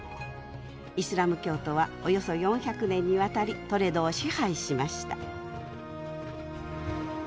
イスラム教徒はおよそ４００年にわたりトレドを支配しました。